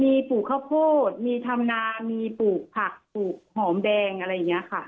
มีปลูกข้าวโพดมีธรรมนามีปลูกผักปลูกหอมแดงอะไรอย่างนี้ค่ะ